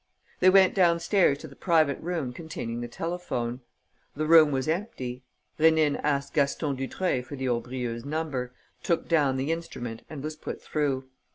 They went downstairs to the private room containing the telephone. The room was empty. Rénine asked Gaston Dutreuil for the Aubrieuxs' number, took down the instrument and was put through.